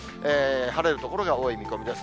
晴れる所が多い見込みです。